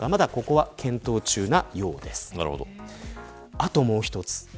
あと、もう１つ。